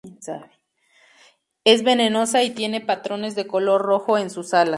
Es venenosa y tiene patrones de color rojo en sus alas.